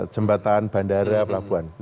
jembatan bandara pelabuhan